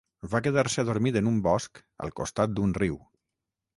Va quedar-se adormit en un bosc al costat d'un riu.